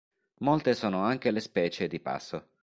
Molte sono anche le specie di passo.